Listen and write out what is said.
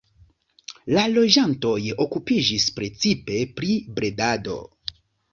La loĝantoj okupiĝis precipe pri bredado.